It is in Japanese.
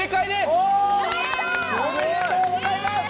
おめでとうございます。